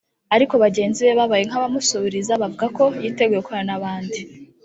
ariko bagenzi be babaye nk’abamusubiriza bavuga ko yiteguye gukorana n’abandi